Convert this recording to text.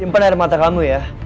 simpen air mata kamu ya